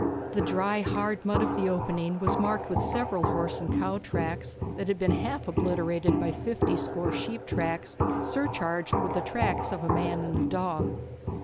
The dry hard mud of the opening was marked with several horse and cow tracks, that had been half obliterated by fifty score sheep tracks, surcharged with the tracks of a man and a dog.